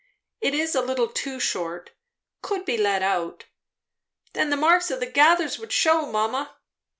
"It is a little too short. Could be let out." "Then the marks of the gathers would shew, mamma."